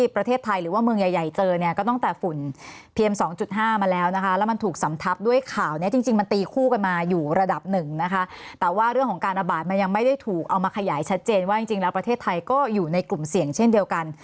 เพราะจริงแล้วประเทศไทยก็อยู่ในกลุ่มเสี่ยงเช่นเดียวกัน